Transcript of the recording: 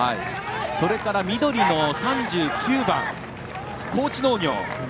それから緑の３９番、高知農業。